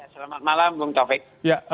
selamat malam bung taufik